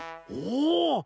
お。